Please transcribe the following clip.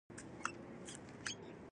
هغه تر نورو ډېر تخصص درلود.